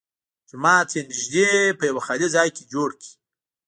جومات یې نږدې په یوه خالي ځای کې جوړ کړ.